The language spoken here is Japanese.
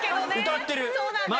歌ってる！